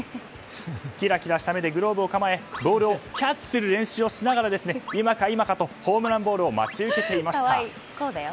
キラキラした目でグローブを構えボールをキャッチする練習をしながら今か今かとホームランボールを待ち構えていました。